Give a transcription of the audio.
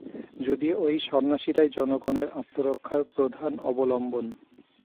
যদিও এই সন্ন্যাসীরাই জনগণের আত্মরক্ষার প্রধান অবলম্বন।